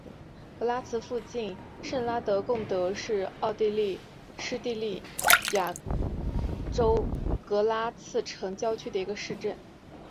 格拉茨附近圣拉德贡德是奥地利施蒂利亚州格拉茨城郊县的一个市镇。